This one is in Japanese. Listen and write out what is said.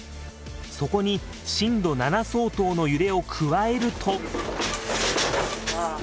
そこに震度７相当の揺れを加えると。